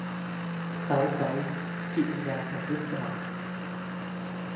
ไซท์ไกสท์ - จิตวิญญาณแห่งยุคสมัย